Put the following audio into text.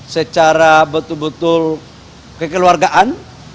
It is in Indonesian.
secara betul betul kekeluargaan